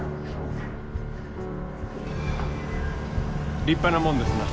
立派なもんですな。